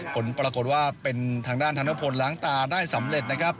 ผลปรากฏว่าเป็นทางด้านธนพลล้างตาได้สำเร็จนะครับ